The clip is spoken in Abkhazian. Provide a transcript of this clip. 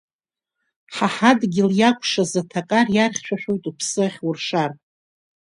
Ҳа ҳадгьыл иакәшаз аҭакар, иархьшәашәоит уԥсы ахьуршар.